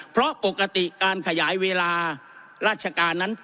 เพราะปกติการขยายเวลาราชการนั้น